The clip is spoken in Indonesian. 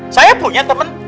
saya punya temen